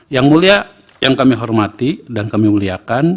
yang mulia yang kami hormati dan kami muliakan